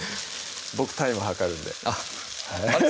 僕タイム計るんであれ？